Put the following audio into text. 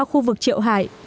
khu vực triệu hải